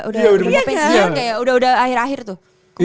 udah rumah pensiun udah akhir akhir tuh